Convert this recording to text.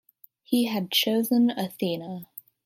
He had chosen Athena.